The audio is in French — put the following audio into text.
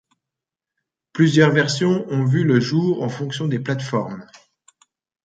Plusieurs versions ont vu le jour en fonction des plates-formes.